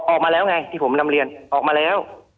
ออกมาแล้วไงที่ผมนำเรียนออกมาแล้ว